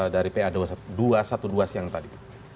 dari pa dua ratus dua belas siang tadi